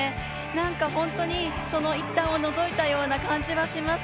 なんかその一端をのぞいたような感じはします。